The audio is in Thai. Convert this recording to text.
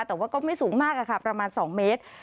แต่ว่าก็ไม่สูงมากค่ะประมาณ๒เมตร